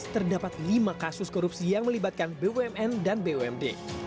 terdapat lima kasus korupsi yang melibatkan bumn dan bumd